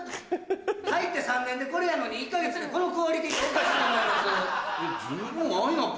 入って３年でこれやのに１か月でこのクオリティーはおかしい思います。